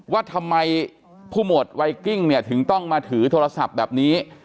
ว่าทำไมผู้หมวดไวกิ้งเนี่ยถึงต้องมาถือโทรศัพท์แบบนี้